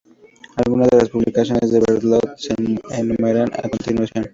Algunas de las publicaciones de Berthelot se enumeran a continuación.